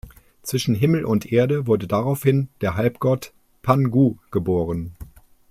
Zwischen Himmel und Erde wurde daraufhin der Halbgott Pan Gu geboren.